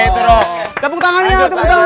tepung tangannya temen temen